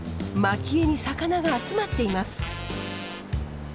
まき餌に魚が集まっています。